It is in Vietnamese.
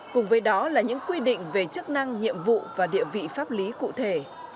cùng với đó là những quy định về chức năng nhiệm vụ và địa vị pháp lý cụ thể